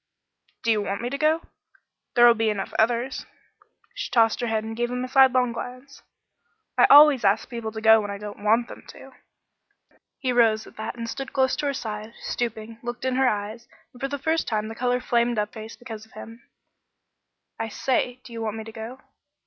"Do you want me to go? There'll be enough others " She tossed her head and gave him a sidelong glance. "I always ask people to go when I don't want them to." He rose at that and stood close to her side, and, stooping, looked in her eyes; and for the first time the color flamed up in her face because of him. "I say do you want me to go?"